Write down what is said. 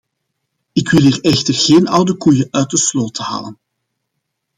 Ik wil hier echter geen oude koeien uit de sloot halen.